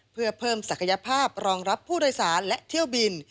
เพื่อเพิ่มศักยภาพรองรับผู้โดยสารและเที่ยวบิน